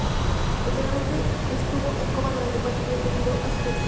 Posteriormente estuvo en coma durante cuatro días debido a sus excesos.